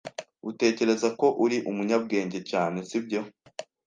Utekereza ko uri umunyabwenge cyane, sibyo?